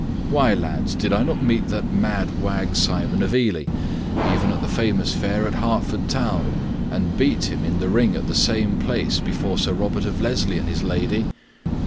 Why, lads, did I not meet that mad wag Simon of Ely, even at the famous fair at Hertford Town, and beat him in the ring at that place before Sir Robert of Leslie and his lady?